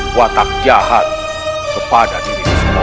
kuat tak jahat kepada diri semua